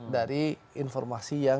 dari informasi yang